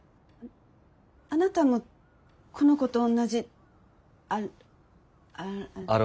あなたもこの子と同じアア。